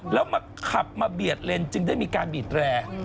แล้วมาขับมาเบียดเลนจึงได้มีการบีดแร่